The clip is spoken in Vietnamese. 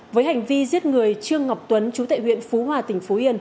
với hành vi giết người trương ngọc tuấn chú tại huyện phú hòa tỉnh phú yên